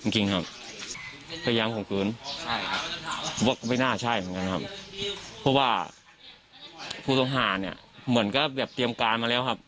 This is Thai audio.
จริงครับพยายามข่มขืนใช่ครับว่าไม่น่าใช่เหมือนกันครับเพราะว่าผู้ต้องหาเนี่ยเหมือนก็แบบเตรียมการมาแล้วครับ